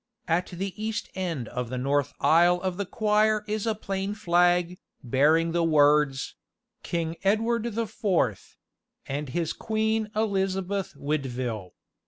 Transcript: At the east end of the north aisle of the choir is a plain flag, bearing the words King Edward IIII. And his Queen Elizabeth Widville.